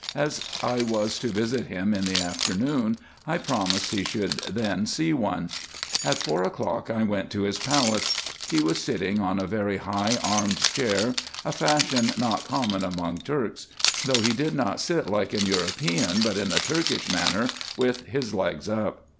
As I was to visit him in the afternoon, I promised he should then see one. At four o'clock I went to his palace. He was sitting on a very high armed chair, a fashion not common among Turks ; though he did not sit like an European, but in the Turkish manner, with his legs up.